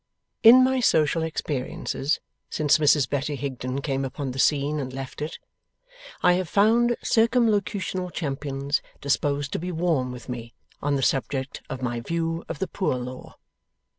In my social experiences since Mrs Betty Higden came upon the scene and left it, I have found Circumlocutional champions disposed to be warm with me on the subject of my view of the Poor Law.